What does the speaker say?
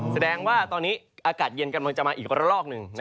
แสดงว่าตอนนี้อากาศเย็นกำลังจะมาอีกระลอกหนึ่ง